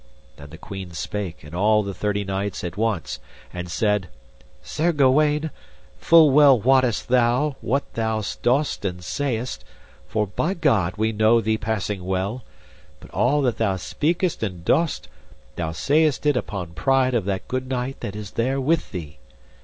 Then the queen spake and all the thirty knights at once, and said: Sir Gawaine, full well wottest thou what thou dost and sayest; for by God we know thee passing well, but all that thou speakest and dost, thou sayest it upon pride of that good knight that is there with thee.